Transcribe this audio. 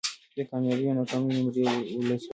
د کامیابۍ او ناکامۍ نمرې ولس ورکړي